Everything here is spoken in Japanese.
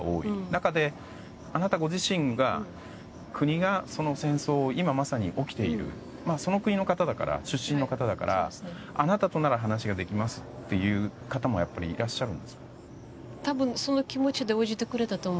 中で、あなたご自身が国が戦争を今まさに起きているその国の方だから出身の方だからあなたとなら話ができますという方もやっぱりいらっしゃる。